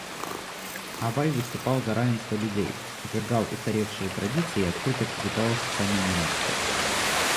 Абай выступал за равенство людей, отвергал устаревшие традиции и открыто критиковал социальные неравенства.